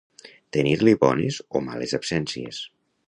Tenir-li bones o males absències.